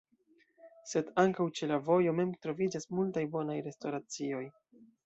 Sed ankaŭ ĉe la vojo mem troviĝas multaj bonaj restoracioj.